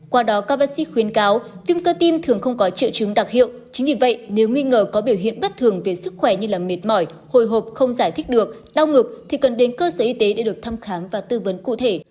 qua đó các bác sĩ khuyến cáo viêm cơ tim thường không có triệu chứng đặc hiệu chính vì vậy nếu nghi ngờ có biểu hiện bất thường về sức khỏe như mệt mỏi hồi hộp không giải thích được đau ngực thì cần đến cơ sở y tế để được thăm khám và tư vấn cụ thể